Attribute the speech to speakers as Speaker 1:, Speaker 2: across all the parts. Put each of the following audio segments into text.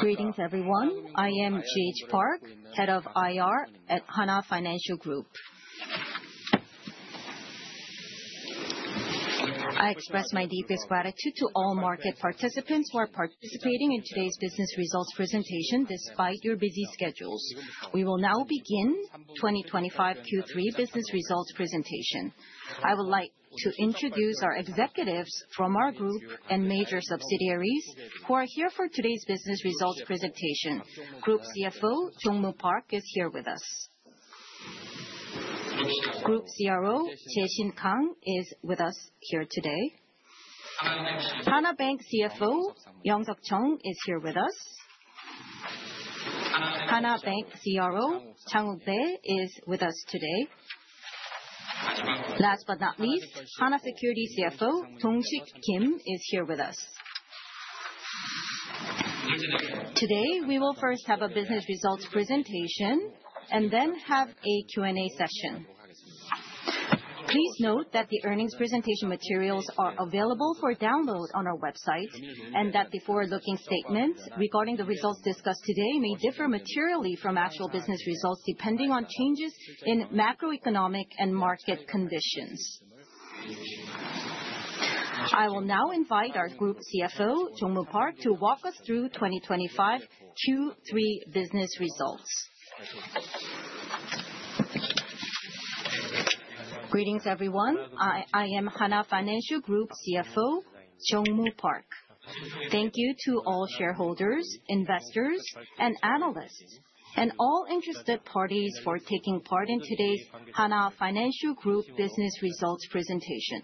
Speaker 1: Greetings, everyone. I am GH Park, Head of IR at Hana Financial Group. I express my deepest gratitude to all market participants who are participating in today's business results presentation despite your busy schedules. We will now begin twenty twenty five Q3 business results presentation. I would like to introduce our executives from our group and major subsidiaries who are here for today's business results presentation. Group CFO, Jung Mo Park, is here with us. Group CRO, JEE SHIN Kang, is with us here today. Hana Bank CFO, Yong Seok Cheong is here with us. Hana Bank CRO, Chang Koo Bae, is with us today. Last but not least, Hana Security CFO, Dongshik Kim, is here with us. Today, we will first have a business results presentation and then have a Q and A session. Please note that the earnings presentation materials are available for download on our website and that the forward looking statements regarding the results discussed today may differ materially from actual business results depending on changes in macroeconomic and market conditions. I will now invite our group CFO, Jung Woo Park, to walk us through twenty twenty five Q3 business results. Greetings, everyone. I am Hana Financial Group CFO, Kyungmoo Park. Thank you to all shareholders, investors and analysts and all interested parties for taking part in today's Hana Financial Group business results presentation.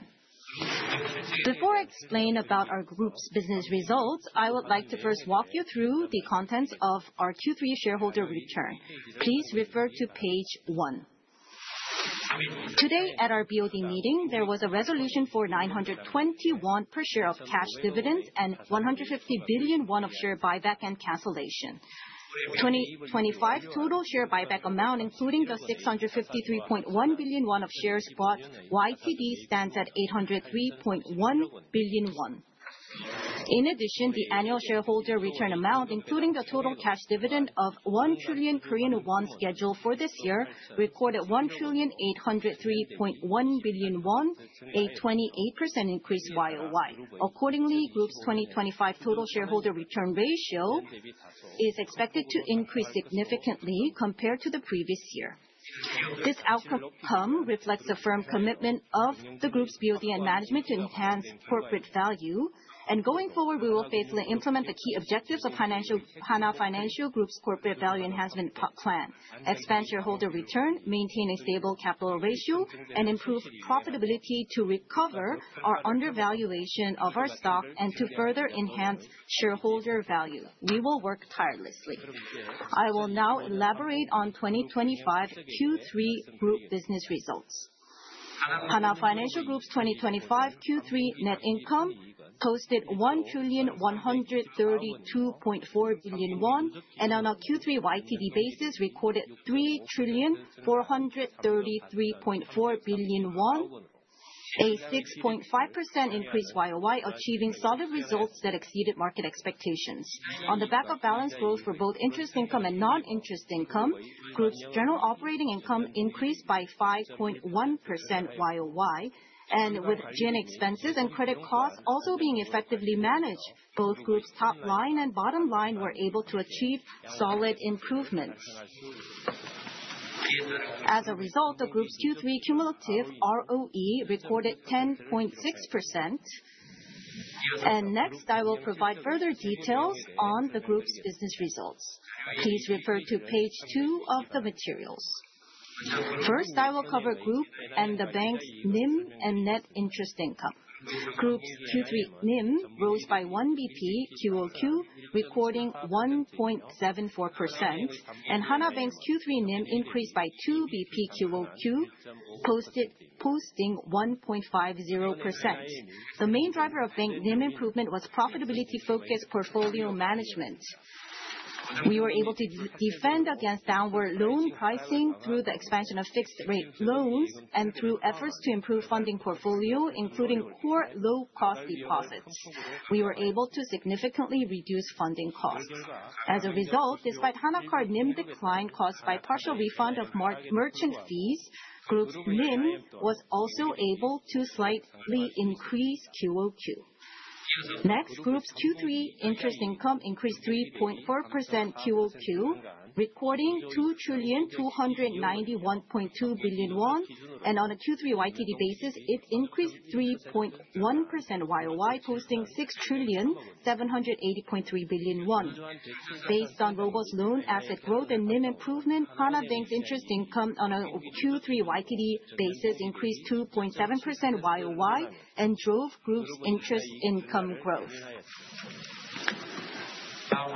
Speaker 1: Before I explain about our group's business results, I would like to first walk you through the contents of our Q3 shareholder return. Please refer to page one. Today, at our BOD meeting, there was a resolution for 921
Speaker 2: per
Speaker 1: share of cash dividends and 150 billion won of share buyback and cancellation. Twenty twenty five total share buyback amount, including the 653.1 billion won of shares bought YTD, stands at 803.1 billion won. Addition, the annual shareholder return amount, including the total cash dividend of 1,000,000,000,000 Korean won scheduled for this year, recorded 1,803,100,000,000.0 won, a 28% increase Y o Y. Accordingly, group's twenty twenty five total shareholder return ratio is expected to increase significantly compared to the previous year. This outcome reflects the firm commitment of the group's BOD and management to enhance corporate value. And going forward, we will safely implement the key objectives of Hana Financial Group's corporate value enhancement plan: expand shareholder return, maintain a stable capital ratio and improve profitability to recover our undervaluation of our stock and to further enhance shareholder value. We will work tirelessly. I will now elaborate on twenty twenty five Q3 group business results. Hana Financial Group's twenty twenty five Q3 net income posted 1,132,400,000,000.0 won. And on a Q3 YTD basis, recorded 3,433,400,000,000.0 won, a 6.5% increase Y o Y, achieving solid results that exceeded market expectations. On the back of balance growth for both interest income and non interest income, group's general operating income increased by 5.1% Y o Y. And with G and A expenses and credit costs also being effectively managed, both group's top line and bottom line were able to achieve solid improvements. As a result, the group's Q3 cumulative ROE recorded 10.6. And next, I will provide further details on the group's business results. Please refer to Page two of the materials. First, I will cover group and the bank's NIM and net interest income. Group's Q3 NIM rose by one bp Q o Q, recording 1.74%, And Hana Bank's Q3 NIM increased by two bp Q o Q, posting 1.5%. The main driver of bank NIM improvement was profitability focused portfolio management. We were able to defend against downward loan pricing through the expansion of fixed rate loans and through efforts to improve funding portfolio, including core low cost deposits. We were able to significantly reduce funding costs. As a result, despite Hana Card NIM decline caused by partial refund of merchant fees, group's NIM was also able to slightly increase Q o Q. Next, group's Q3 interest income increased 3.4 Q o Q, recording 2,291,200,000,000,000.0 won. And on a Q3 YTD basis, it increased 3.1% Y o Y, posting 6,780,300,000,000,000.0 won. Based on robust loan asset growth and NIM improvement, Hana Bank's interest income on a Q3 YTD basis increased 2.7% Y o Y and drove group's interest income growth.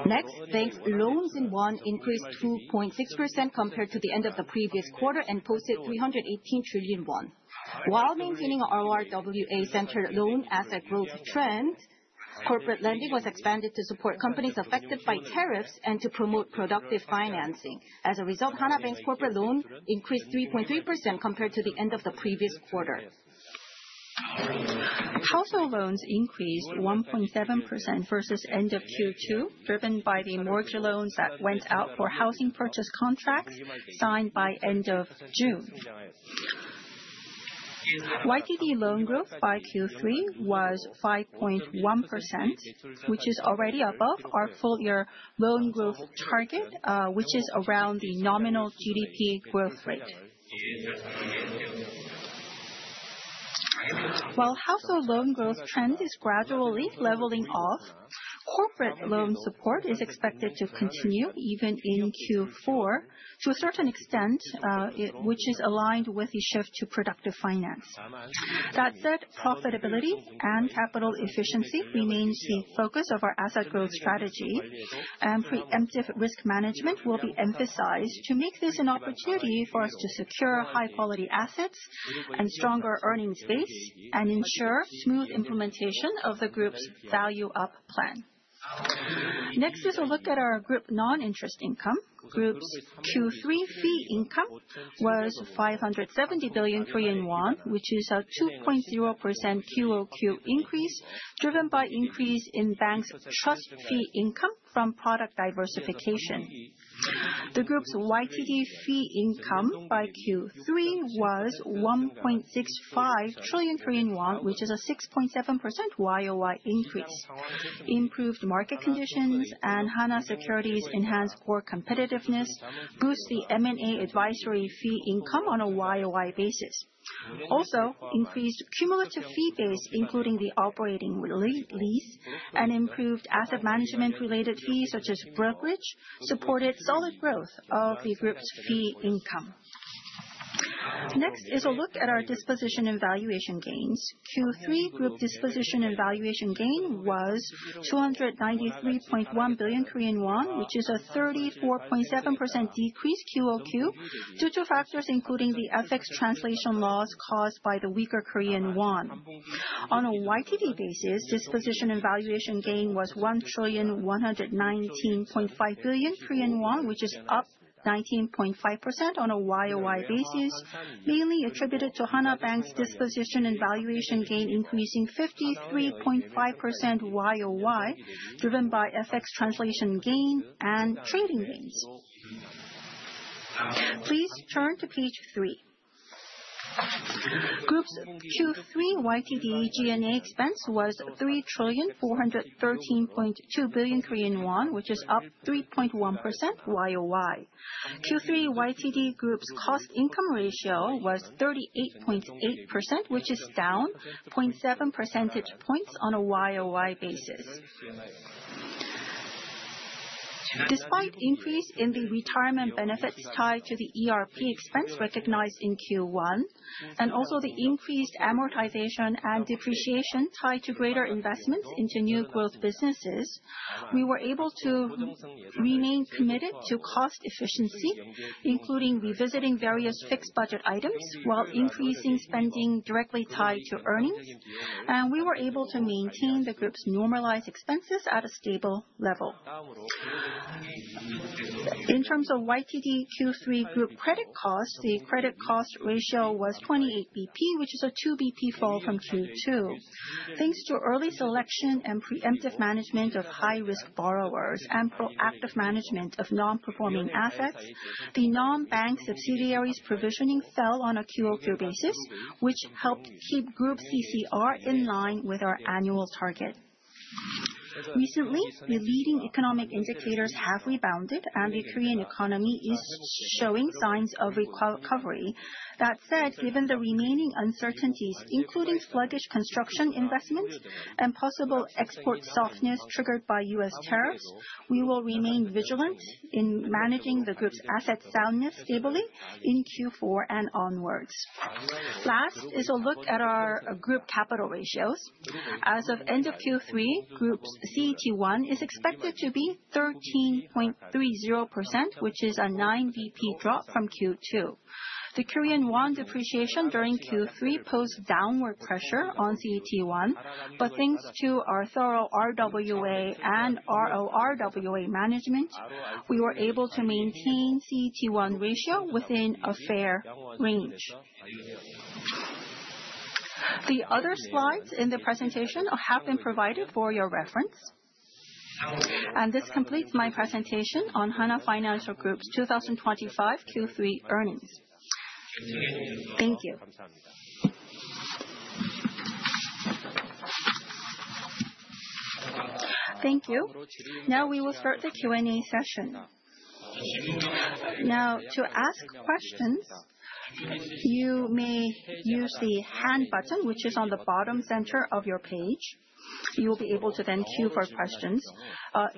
Speaker 1: Next, bank loans in won increased 2.6% compared to the end of the previous quarter and posted 318 trillion won. While maintaining our ORWA centered loan asset growth trend, corporate lending was expanded to support companies affected by tariffs and to promote productive financing. As a result, Hana Bank's corporate loan increased 3.3% compared to the end of the previous quarter.
Speaker 2: Household loans increased 1.7% versus end of Q2, driven by the mortgage loans that went out for housing purchase contracts signed by June. YTD loan growth by Q3 was 5.1%, which is already above our full year loan growth target, which is around the nominal GDP growth rate. While household loan growth trend is gradually leveling off, corporate loan support is expected to continue even in Q4 to a certain extent, which is aligned with the shift to productive finance. That said, profitability and capital efficiency remains the focus of our asset growth strategy, and preemptive risk management will be emphasized to make opportunity for us to secure high quality assets and stronger earnings base and ensure smooth implementation of the group's value up plan. Next is a look at our group noninterest income. Group's Q3 fee income was KRW $570,000,000,000, which is a 2% Q o Q increase, driven by increase in bank's trust fee income from product diversification. The group's YTD fee income by Q3 was trillion,
Speaker 1: which is a
Speaker 2: 6.7% Y o Y increase. Improved market conditions and Hana Securities enhanced core competitiveness boost the M and A advisory fee income on a Y o Y basis. Also, increased cumulative fee base, including the operating lease and improved asset management related fees such as brokerage supported solid growth of the group's fee income. Next is a look at our disposition and valuation gains. Q3 group disposition and valuation gain was 293,100,000,000.0 Korean won, which is a 34.7% decrease Q o Q due to factors including the FX translation loss caused by the weaker Korean won. On basis, disposition and valuation gain was 1,119,500,000,000.0 Korean won, which is up 19.5% on a Y o Y basis, mainly attributed to Hana Bank's disposition valuation gain increasing 53.5% Y o Y, driven by FX translation gain and trading gains. Please turn to page three. Group's Q3 YTD G and A expense was 3,413,200,000,000.0 Korean won, which is up 3.1% Y o Y. Q3 YTD Group's income ratio was 38.8%, which is down 0.7 percentage points on a Y o Y basis. Despite increase in the retirement benefits tied to the ERP expense recognized in Q1 and also the increased amortization and depreciation tied to greater investments into new growth businesses, we were able to remain committed to cost efficiency, including revisiting various fixed budget items while increasing spending directly tied to earnings. And we were able to maintain the group's normalized expenses at a stable level. In terms of YTD Q3 group credit costs, the credit cost ratio was 28 bp, which is a two bp fall from Q2. Thanks to early selection and preemptive management of high risk borrowers and proactive management of nonperforming assets, the nonbank subsidiaries' provisioning fell on a Q o Q basis, which helped keep group CCR in line with our annual target. Recently, the leading economic indicators have rebounded and the Korean economy is showing signs of recovery. That said, given the remaining uncertainties, including sluggish construction investments and possible export softness triggered by U. S. Tariffs, we will remain vigilant in managing the group's asset soundness stably in Q4 and onwards. Last is a look at our group capital ratios. As of end of Q3, group's CET1 is expected to be 13.3, which is a nine bp drop from Q2. The Korean won depreciation during Q3 posed downward pressure on CET1, but thanks to our thorough RWA and RORWA management, we were able to maintain CET1 ratio within a fair range. The other slides in the presentation have been provided for your reference. And this completes my presentation on Hana Financial Group's twenty twenty five Q3 earnings. Thank you. You. Now we will start the Q and A session. Now to ask questions, you may use the hand button, which is on the bottom center of your page. You will be able to then queue for questions.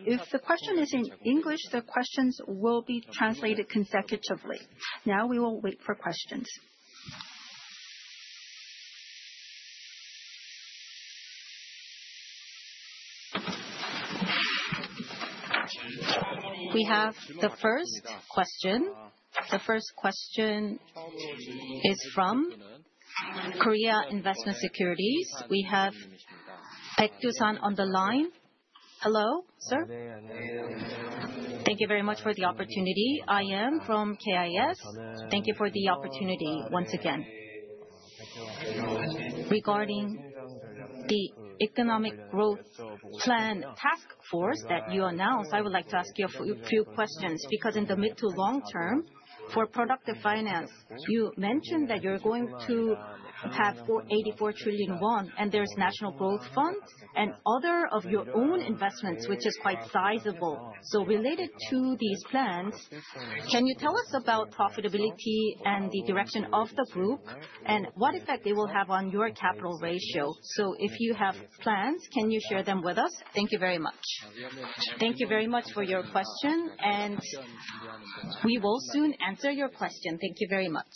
Speaker 2: If the question is in English, the questions will be translated consecutively. Now we will wait for questions.
Speaker 1: Question is from Korea Investment Securities. We have Baek Do san on the line.
Speaker 2: Hello, sir.
Speaker 1: Thank you very much for the opportunity. I'm from KIS. Thank you for the opportunity once again. Regarding the economic growth plan task force that you announced, I would like to ask you a few questions because in the mid- long term, for productive finance, you mentioned that you're going to have 84,000,000,000,000 won, and there's national growth funds and other of your own investments, which is quite sizable. So related to these plans, can you tell us about profitability and the direction of the group and what effect they will have on your capital ratio? So if you have plans, can you share them with us? Thank you very much. Thank you very much for your question, and we will soon answer your question. Thank you very much.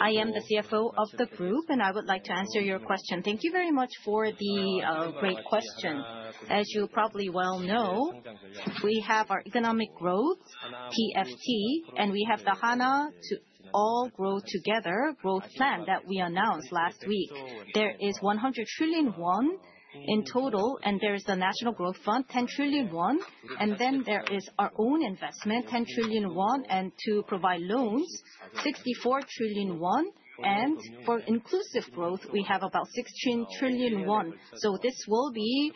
Speaker 1: I am the CFO of the group, and I would like to answer your question. Thank you very much for the As great you probably well know, we have our economic growth, PFT, and we have the Hana to All Grow Together growth plan that we announced last week. There is 100,000,000,000,000 won in total, and there is the National Growth Fund, 10,000,000,000,000. And then there is our own investment, 10,000,000,000,000, and to provide loans, 64,000,000,000,000 won. And for inclusive growth, we have about 16 trillion won. So this will be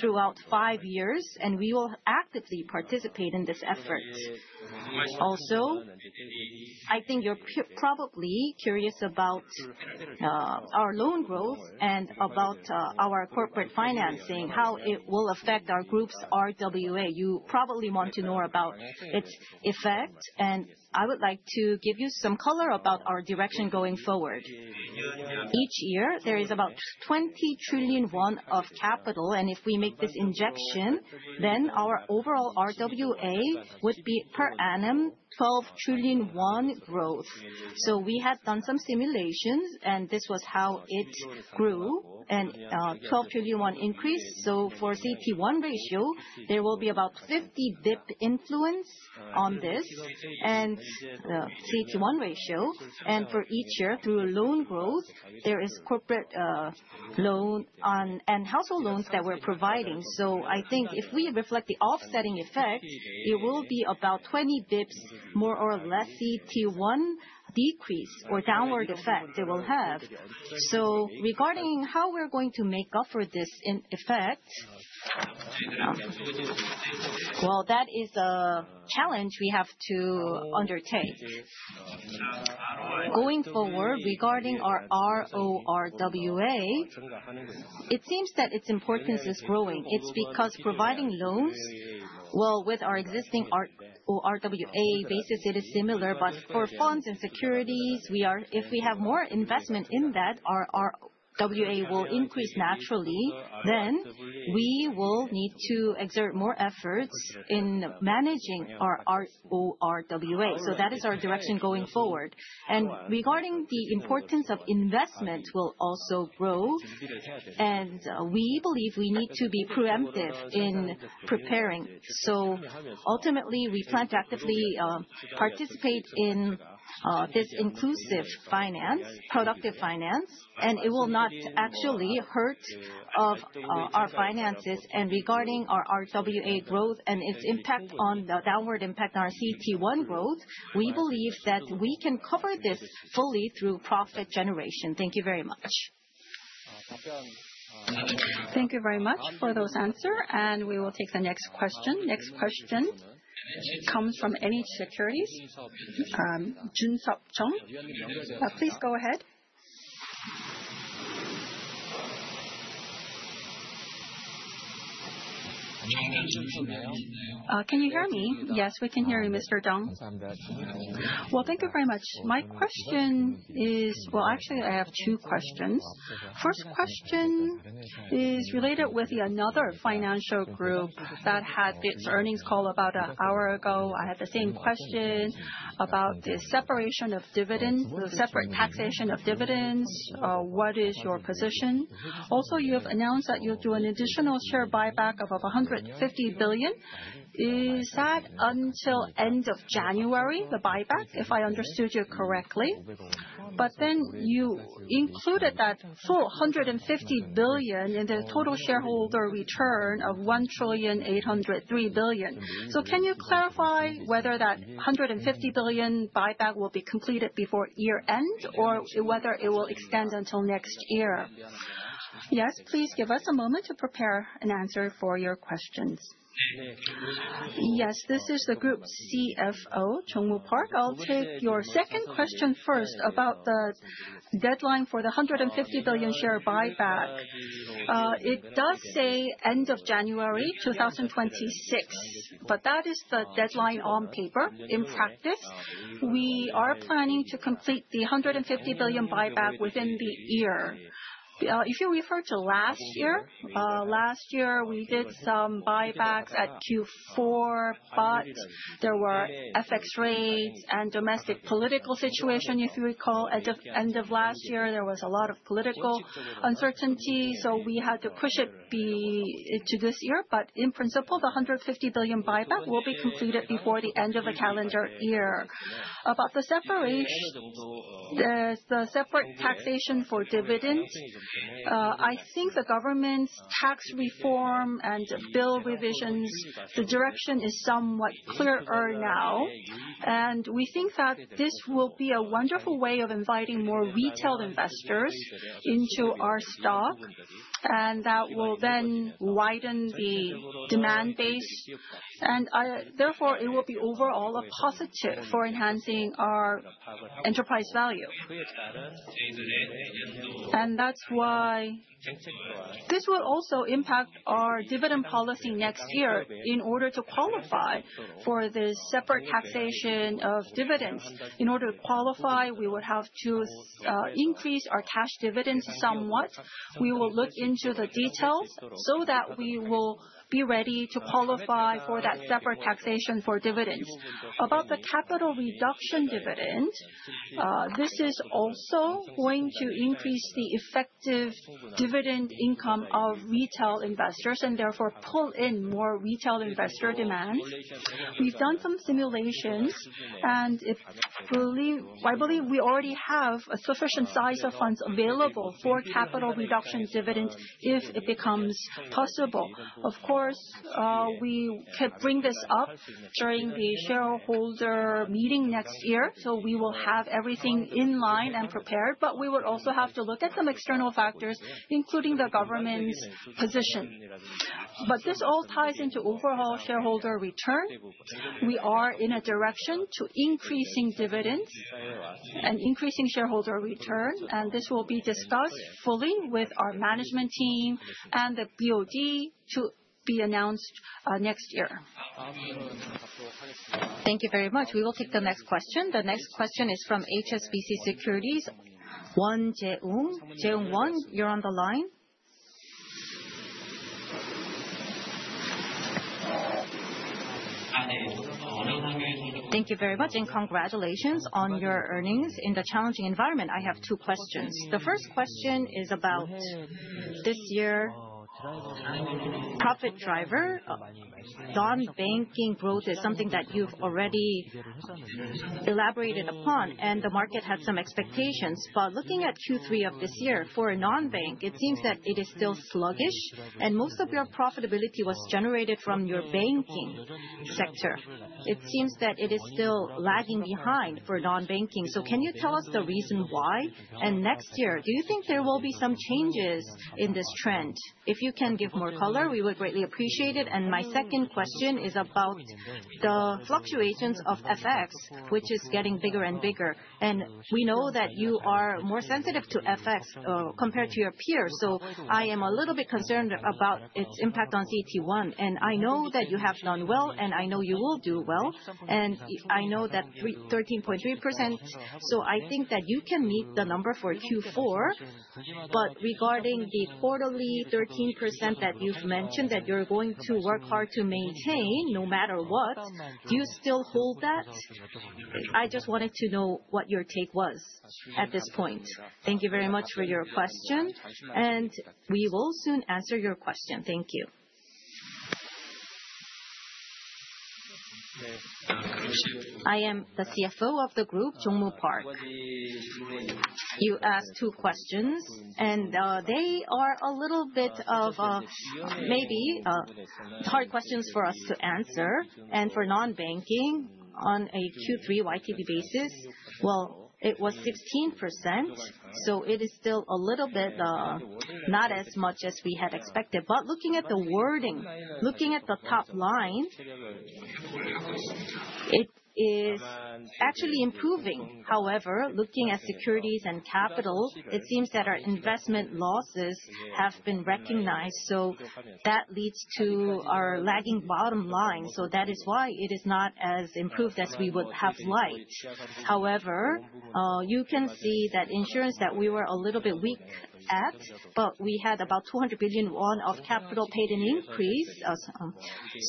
Speaker 1: throughout five years, and we will actively participate in this effort. Also, I think you're probably curious about our loan growth and about our corporate financing, how it will affect our group's RWA. You probably want to know about its effect, and I would like to give you some color about our direction going forward. Each year, there is about 20,000,000,000,000 won of capital. And if we make this injection, then our overall RWA would be per annum 12,000,000,000,000 won growth. So we have done some simulations, and this was how it grew and 12,000,000,000,000 won increase. So for CET1 ratio, there will be about 50 bp influence on this and CET1 ratio. And for each year, through loan growth, there is corporate loan and household loans that we're providing. So I think if we reflect the offsetting effect, it will be about 20 bps more or less CET1 decrease or downward effect they will have. So regarding how we're going to make up for this effect, well, that is a challenge we have to undertake. Going forward, regarding our RORWA, it seems that its importance is growing. It's because providing loans well, with our existing RWA basis, is similar. But for funds and securities, we are if we have more investment in that, our RWA will increase naturally, then we will need to exert more efforts in managing our ORWA. So that is our direction going forward. And regarding the importance of investment will also grow, and we believe we need to be preemptive in preparing. So ultimately, we plan to actively participate in this inclusive finance, productive finance, and it will not actually hurt finances. And regarding our RWA growth and its impact on downward impact on our CET1 growth, we believe that we can cover this fully through profit generation. Thank you very much.
Speaker 2: Thank you very much for those answer, and we will take the next question. Next question comes from NH Securities. Please go ahead. Can you hear me? Yes, we can hear you, Mr. Dong. Well, thank you very much. My question is well, actually, I have two questions. First question is related with the another financial group that had its earnings call about an
Speaker 1: hour ago. I had the
Speaker 2: same question about the separation of dividend separate taxation of dividends. What is your position? Also, have announced that you'll do an additional share buyback of 150,000,000,000 yen Is that until January, the buyback, if I understood you correctly? But then you included that $450,000,000,000 yen in the total shareholder return of 1,803,000,000.000 yen So can you clarify whether that 150,000,000,000 yen buyback will be completed before year end or whether it will extend until next year? Yes. Please give us a moment to prepare an answer for your questions. Yes. This is the group CFO, Jung Woo Park. I'll take your second question first about the deadline for the 150,000,000,000 yen share buyback. It does say January 2026, but that is the deadline on paper in practice. We are planning to complete the 150,000,000,000 buyback within the year. If you refer to last year, last year, we did some buybacks at Q4, but there were FX rates and domestic political situation. If you recall, at the end of last year, there was a lot of political uncertainty. So we had to push it be to this year. But in principle, the billion buyback will be completed before the end of the calendar year. About the separation the separate taxation for dividend, I think the government's tax reform and bill revisions, the direction is somewhat clearer now. And we think that this will be a wonderful way of inviting more retail investors into our stock and that will then widen the demand base. And therefore, it will be overall a positive for enhancing our enterprise value. And that's why this will also impact our dividend policy next year in order to qualify for the separate taxation of dividends. In order to qualify, we would have to increase our cash dividends somewhat. We will look into the details so that we will be ready to qualify for that separate taxation for dividends. About the capital reduction dividend, this is also going to increase the effective dividend income of retail investors and therefore pull in more retail investor demand. We've done some simulations and I believe we already have a sufficient size of funds available for capital reduction dividend if it becomes possible. Of course, we can bring this up during the shareholder meeting next year. So we will have everything in line and prepared, but we would also have to look at some external factors, including the government's position. But this all ties into overall shareholder return. We are in a direction to increasing dividends and increasing shareholder return, and this will be discussed fully with our management team and the BOD to be announced next year.
Speaker 1: Thank you very much. We will take the next question. The next question is from HSBC Securities, Won Jaeung Jaeung Won, you're on the line. Thank you very much and congratulations on your earnings in the challenging environment. I have two questions. The first question is about this year, profit driver. Non banking growth is something that you've already elaborated upon and the market had some expectations. But looking at Q3 of this year, for a non bank, it seems that it is still sluggish and most of your profitability was generated from your banking sector. It seems that it is still lagging behind for nonbanking. So can you tell us the reason why? And next year, do you think there will be some changes in this trend? If you can give more color, we would greatly appreciate it. And my second question is about the fluctuations of FX, which is getting bigger and bigger. And we know that you are more sensitive to FX compared to your peers. So I am a little bit concerned about its impact on CET1. And I know that you have done well, and I know you will do well. And I know that 13.3%. So I think that you can meet the number for Q4. But regarding the quarterly 13% that you've mentioned that you're going to work hard to maintain no matter what, do you still hold that? I just wanted to know what your take was at this point. Thank you very much for your question, and we will soon answer your question. Thank you. I am the CFO of the group, Jung Woo Park. You asked two questions, and they are a little bit of maybe hard questions for us to answer. And for nonbanking, on a Q3 YTB basis, well, it was 16%. So it is still a little bit not as much as we had expected. But looking at the wording, looking at the top line, it is actually improving. However, looking at securities and capital, it seems that our investment losses have been recognized. So that leads to our lagging bottom line. So that is why it is not as improved as However, we would have you can see that insurance that we were a little bit weak at, but we had about 200,000,000,000 won of capital paid in increase.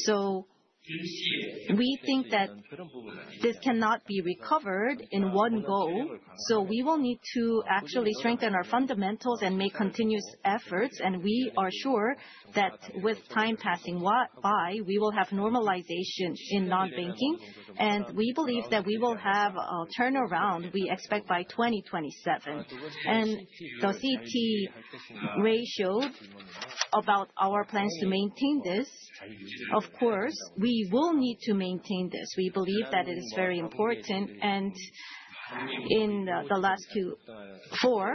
Speaker 1: So we think that this cannot be recovered in one go. So we will need to actually strengthen our fundamentals and make continuous efforts, and we are sure that with time passing by, we will have normalization in nonbanking. And we believe that we will have a turnaround we expect by 2027. And the CET ratio about our plans to maintain this, of course, we will need to maintain this. We believe that it is very important. And in the last Q4,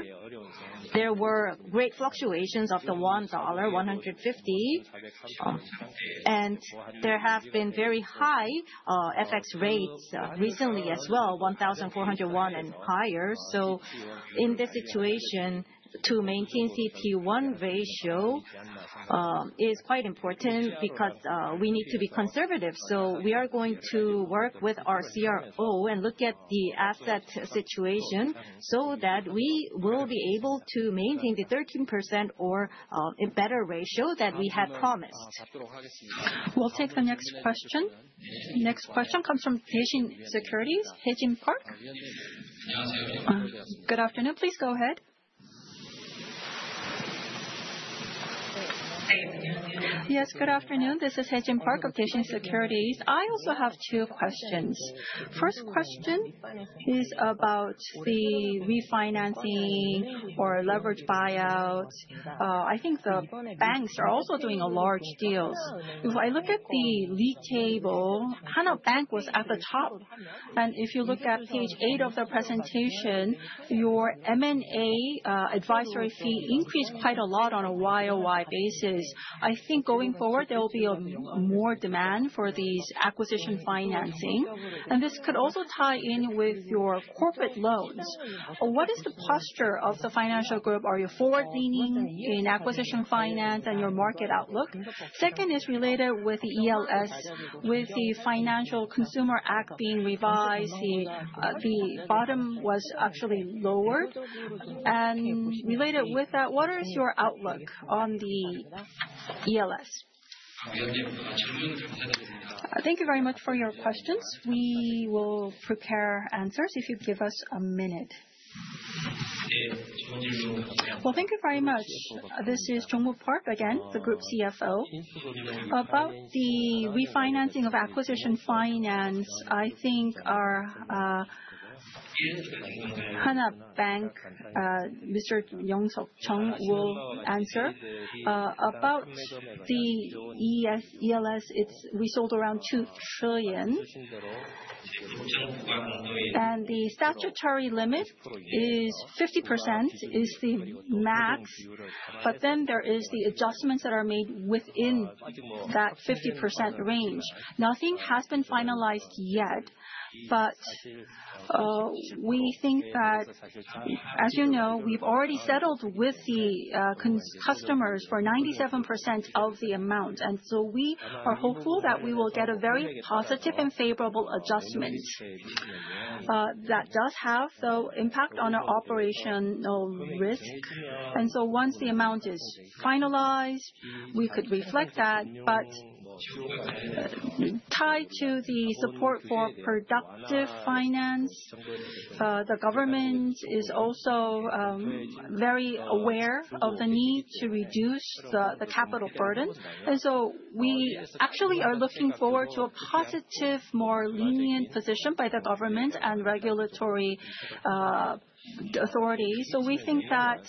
Speaker 1: there were great fluctuations of the $1.150
Speaker 2: And there
Speaker 1: have been very high FX rates recently as well, fourteen oh one and higher. So in this situation, to maintain CET1 ratio is quite important because we need to be conservative. So we are going to work with our CRO and look at the asset situation so that we will be able to maintain the 13% or a better ratio that we had promised.
Speaker 2: We'll take the next question. Next question comes from Haejin Securities, Haejin Park. This is Hyunjin Park of Daesin Securities. I also have two questions. First question is about the refinancing or leverage buyout. I think the banks are also doing large deals. If I look at the lead table, Hana Bank was at the top. And if you look at Page eight of the presentation, your M and A advisory fee increased quite a lot on a Y o Y basis. I think going forward, there will be more demand for these acquisition financing. And this could also tie in with your corporate loans. What is the posture posture of the financial group? Are you forward leaning in acquisition finance and your market tie outlook? Second is related with the ELS. With the Financial Consumer Act being revised, the bottom was actually lowered. And related with that, what is your outlook REPRESENTATIVE:] on the ELS? Thank you very much for your questions. We will prepare answers if you give us a minute. Well, thank you very much. This is Jong Woo Park again, the group CFO. About the refinancing of acquisition finance, I think our Hana Bank, Mr. Young Seok Cheung, will answer. About the ELS, it's we sold around 2,000,000,000,000 yen And the statutory limit is 50% is the max, but then there is the adjustments that are made within that 50% range. Nothing has been finalized yet, But we think that, as you know, we've already settled with the customers for 97% of the amount. And so we are hopeful that we will get a very positive and favorable adjustment. That does have some impact on our operational risk. And so once the amount is finalized, we could reflect that. But tied to the support for productive productive finance. The government is also very aware of the need to reduce the capital burden. And so we actually are looking forward to positive, more lenient position by the government and regulatory authorities. So we think that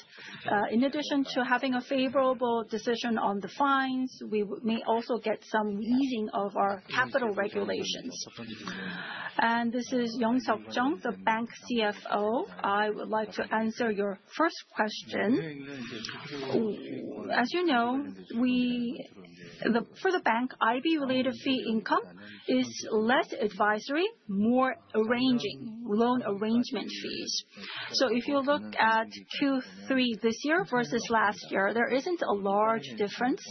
Speaker 2: in addition to having a favorable decision on the fines, we may also get some easing of our capital regulations. And this is Young Seok Jung, the Bank's CFO. I would like to answer your first question. As you know, we, for the bank, IB related fee income is less advisory, more arranging, loan arrangement fees. So if you look at Q3 this year versus last year, there isn't a large difference.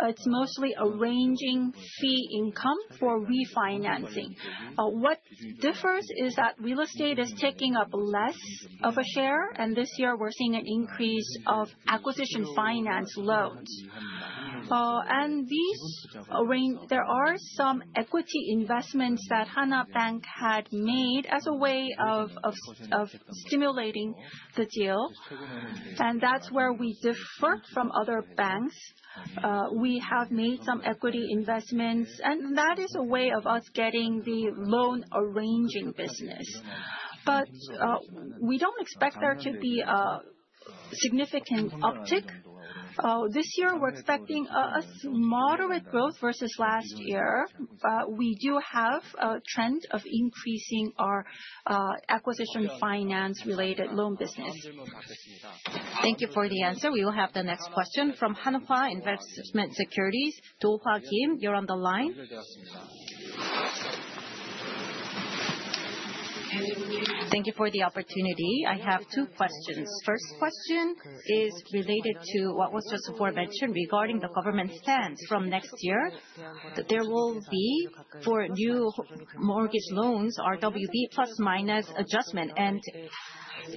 Speaker 2: It's mostly arranging fee income for refinancing. What differs is that real estate is taking up less of a share, and this year, we're seeing an increase of acquisition finance loans. And these there are some equity investments that Hana Bank had made as a way of stimulating the deal, and that's where we deferred from other banks. We have made some equity investments, and that is a way of us getting the loan arranging business. But we don't expect there to be a significant uptick. This year, we're expecting a moderate growth versus last year. We do have a trend of increasing our acquisition finance related loan business.
Speaker 1: We will have the next question from Hanwha Investment Securities, Dohwa Kim. I have two questions. First question is related to what was just before mentioned regarding the government stance from next year. There will be for new mortgage loans, RWB plusminus adjustment. And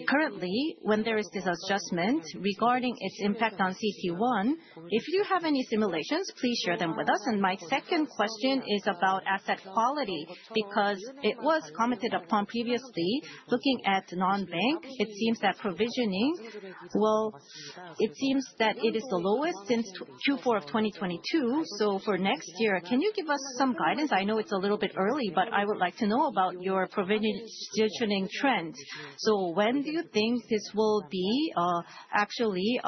Speaker 1: currently, when there is this adjustment regarding its impact on CET1, if you have any simulations, please share them with us. And my second question is about asset quality because it was commented upon previously. Looking at nonbank, it seems that provisioning well, it seems that it is the lowest since 2022. So for next year, can you give us some guidance? I know it's a little bit early, but I would like to know about your provisioning trend. So when do you think this will be actually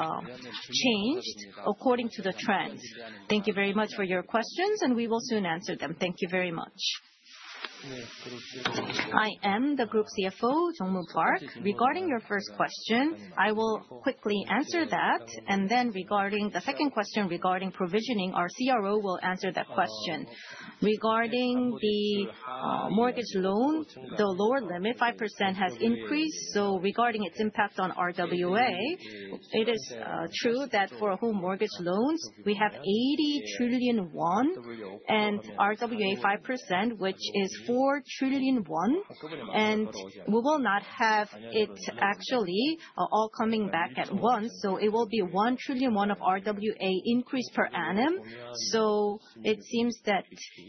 Speaker 1: changed according to the trend? Thank you very much for your questions, and we will soon answer them. Thank you very much. I am the group CFO, Jung Woo Park. Regarding your first question, I will quickly answer that. And then regarding the second question regarding provisioning, our CRO will answer that question. Regarding the mortgage loan, the lower limit, 5% has increased. So regarding its impact on RWA, it is true that for a home mortgage loans, we have 80,000,000,000,000 won and RWA 5%, which is 4,000,000,000,000 won. And we will not have it actually all coming back at once. So it will be 1,000,000,000,000 of RWA increase per annum. So it seems that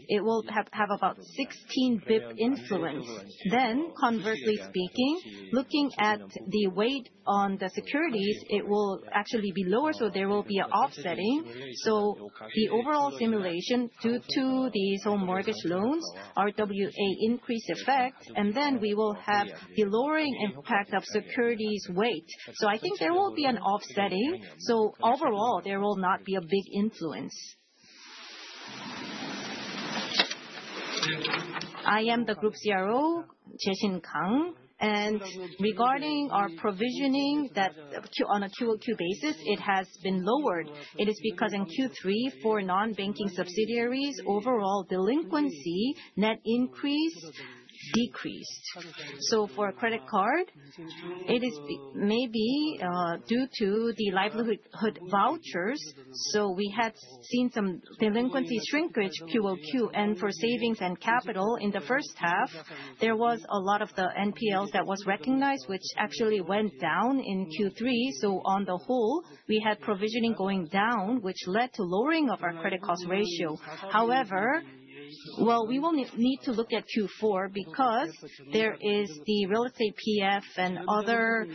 Speaker 1: it will have about 16 bp influence. Then, conversely speaking, looking at the weight on the securities, it will actually be lower. So there will be a offsetting. So the overall simulation due to these home mortgage loans, RWA increase effect, and then we will have the lowering impact of securities weight. So I think there will be an offsetting. So overall, there will not be a big influence. I am the group CRO, Jae Sin Kang. And regarding our provisioning that on a Q o Q basis, it has been lowered. It is because in Q3, for nonbanking subsidiaries, overall delinquency net increase decreased. So for a credit card, it is maybe due to the livelihood vouchers. So we had seen some delinquency shrinkage Q o Q. And for savings and capital, in the first half, there was a lot of the NPLs that was recognized, which actually went down in Q3. So on the whole, we had provisioning going down, which led to lowering of our credit cost ratio. However, well,
Speaker 2: we will need to look
Speaker 1: at Q4 because there is the real estate and other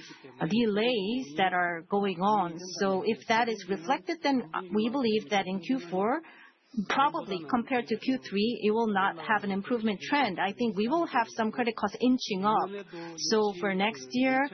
Speaker 1: delays that are going on. So if that is reflected, then we believe that in Q4, probably compared to Q3, it will not have an improvement trend. I think we will have some credit costs inching up. So for next year,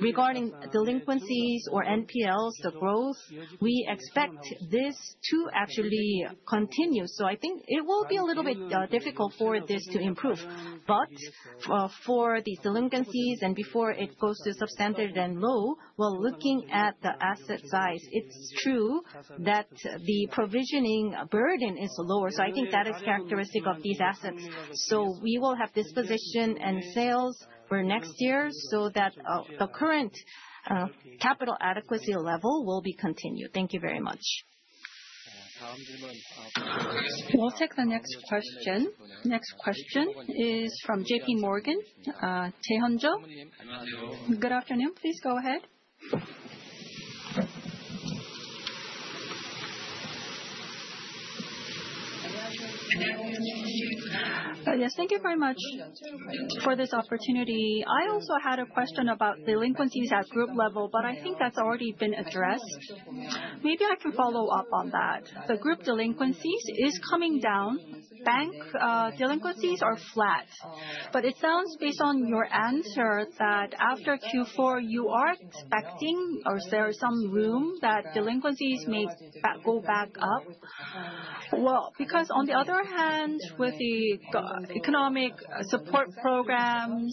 Speaker 1: regarding delinquencies or NPLs, the growth, we expect this to actually continue. So I think it will be a little bit difficult for this to improve. But for these delinquencies and before it goes to substandard and low, well, looking at the asset size, it's true that the provisioning burden is lower. So I think that is So characteristic of these we will have disposition and sales for next year so that the current capital adequacy level will be continued. Thank you very much.
Speaker 2: We'll take the next question is from JPMorgan, Yes. I also had a question about delinquencies at group level, but I think that's already been addressed. Maybe I can follow-up on that. The group delinquencies delinquencies is coming down. Bank delinquencies are flat. But it sounds based on your answer that after Q4, you are expecting or is there some room that delinquencies may go back up? Well, because on the other hand, with the economic support programs,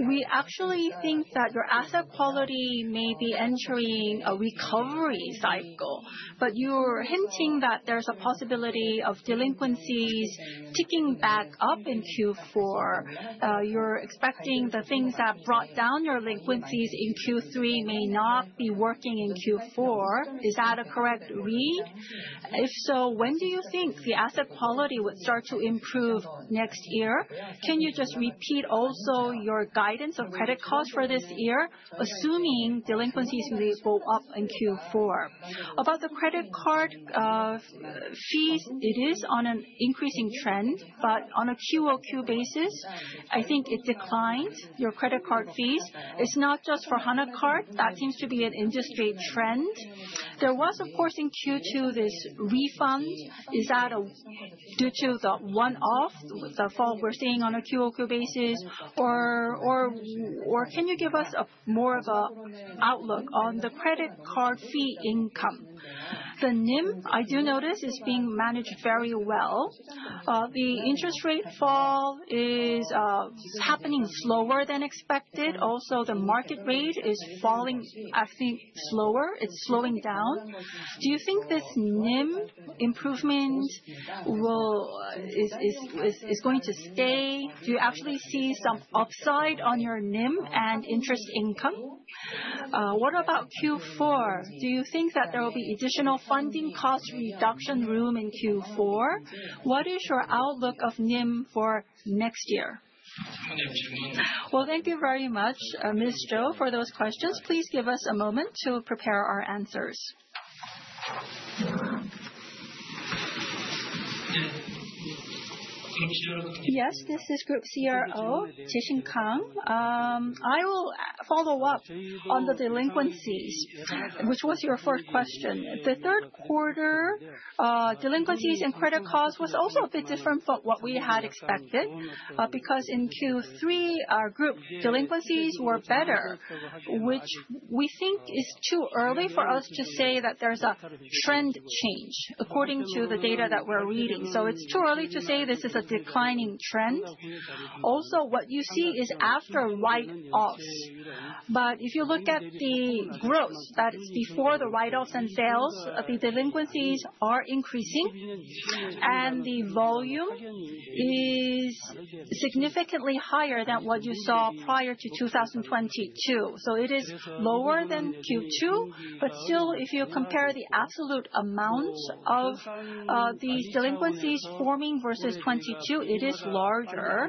Speaker 2: we actually think that your asset quality may be entering a recovery cycle. But you're hinting that there's a possibility of delinquencies ticking back up in Q4. You're expecting the things that brought down your delinquencies in Q3 may not be working in Q4. Is that a correct read? If so, when do you think the asset quality would start to improve next year? Can you just repeat also your guidance of credit costs for this year, assuming delinquencies will go up in Q4? About the credit card fees, it is on an increasing trend. But on a Q o Q basis, I think it declined your credit card fees. It's not just for Hana card. That seems to be an industry trend. There was, of course, in Q2 this refund. Is that due to the one off, the fall we're seeing on a Q o Q basis? Or can you give us more of an outlook on the credit card fee income? The NIM, I do notice, is being managed very well. The interest rate fall is happening slower than expected. Also, the market rate is falling It's slowing down. Do you think this NIM improvement will is going to stay? Do you actually see some upside on your NIM and interest income? What about Q4? Do you think that there will be additional funding cost reduction room in Q4? What is your outlook of NIM for next year? Yes. UNIDENTIFIED This is group CRO, Jiexin Kang. I will follow-up on the delinquencies, which was your first question. The third quarter delinquencies and credit costs was also a bit different from what we had expected because in Q3, our group delinquencies were better, which we think is too early for us to say that there's a trend change according to the data that we're reading. So it's too early to say this is a declining trend. Also, what you see is after write offs. But if you look at the growth that is before the write offs and sales, the delinquencies are increasing and the volume is significantly higher than what you saw prior to 2022. So it is lower than Q2. But still, if you compare the absolute amount of these delinquencies forming versus 'twenty two, it is larger.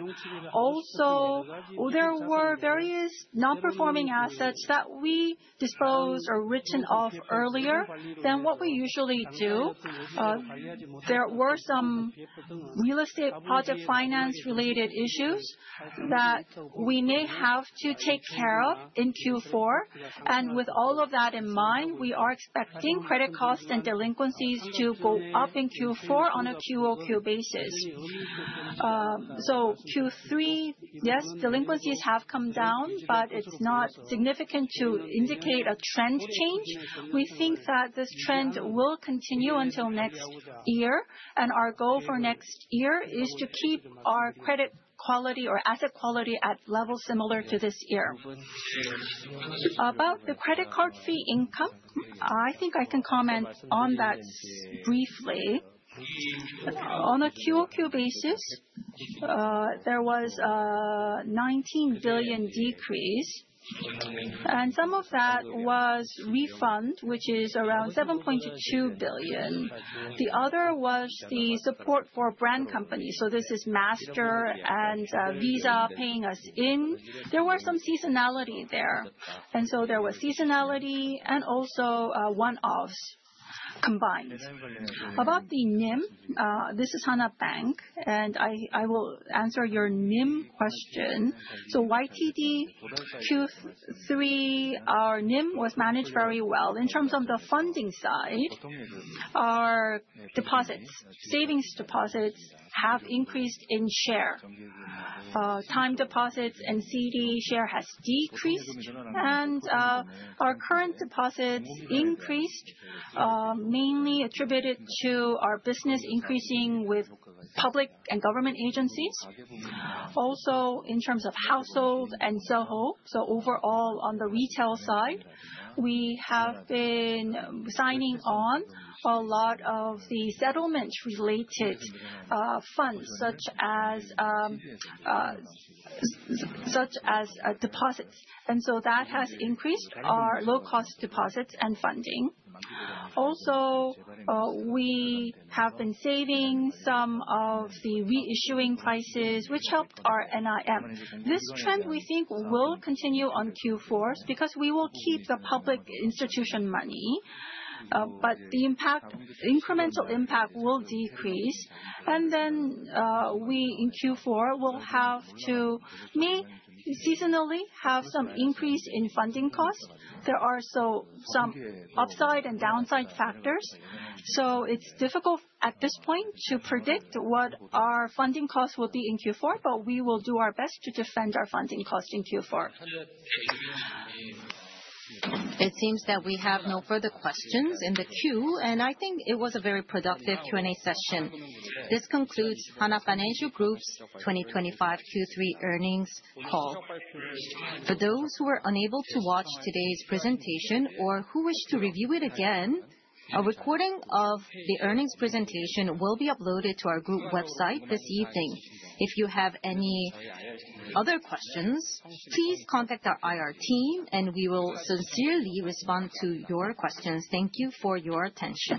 Speaker 2: Also, there were various nonperforming assets that we disposed or written off earlier than what we usually do. There were some real estate project finance related issues that we may have to take care of in Q4. And with all of that in mind, we are expecting credit costs and delinquencies to go up in Q4 on a Q o Q basis. So Q3, yes, delinquencies have come down, but it's not significant to indicate a trend change. We think that this trend will continue until next year. And our goal for next year is to keep our credit quality or asset quality at level similar to this year. About the credit card fee income, I think I can comment on that briefly. On a Q o Q basis, there was a 19,000,000,000 yen decrease. And some of that was refund, which is around 7,200,000,000.0 yen The other was the support for brand companies. So this is Master There and Visa paying us were some seasonality there. And so there was seasonality and also one offs combined. About the NIM, this is Hana Bank, and I will answer your NIM question. So YTD Q3, our NIM was managed very well. In terms of the funding side, our deposits, savings deposits have increased in share. Time deposits and CD share has decreased. And our current deposits increased mainly attributed to our business increasing with public and government agencies. Also in terms of household and Zoho, so overall, on the retail side, we have been signing on a lot of the settlement related funds such as deposits. And so that has increased our low cost deposits and funding. Also, we have been saving some of the reissuing prices, which helped our NIM. This trend, we think, will continue on Q4 because we will keep the public institution money, but the impact incremental impact will decrease. And then we, in Q4, will have to may seasonally have some increase in funding cost. There are also some upside and downside factors. So it's difficult at this point to predict what our funding cost will be in Q4, but we will do our best to defend our funding cost in Q4.
Speaker 1: It seems that we have no further questions in the queue, and I think it was a very productive This Q and A concludes Hana Financial Group's twenty twenty five Q3 earnings call. For those who are unable to watch today's presentation or who wish to review it again, a recording of the earnings presentation will be uploaded to our group website this evening. If you have any other questions, please contact our IR team and we will sincerely respond to your questions. Thank you for your attention.